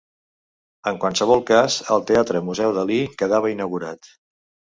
En qualsevol cas, el Teatre-Museu Dalí quedava inaugurat.